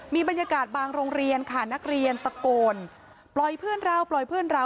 มีบรรยากาศบางโรงเรียนค่ะนักเรียนตะโกนปล่อยเพื่อนเราปล่อยเพื่อนเรา